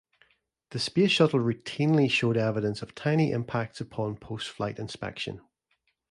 The Space Shuttle routinely showed evidence of "tiny" impacts upon post-flight inspection.